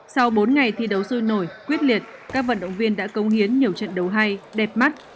sau bốn ngày thi đấu sôi nổi quyết liệt các vận động viên đã công hiến nhiều trận đấu hay đẹp mắt